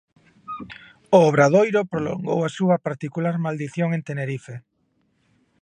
O Obradoiro prolongou a súa particular maldición en Tenerife.